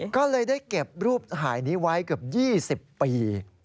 ก็เลยได้เก็บรูปถ่ายนี้ไว้เกือบ๒๐ปี